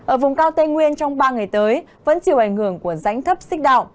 ở vùng cao tây nguyên trong ba ngày tới vẫn chịu ảnh hưởng của rãnh thấp xích đạo